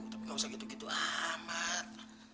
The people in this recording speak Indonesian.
tapi nggak usah gitu gitu amat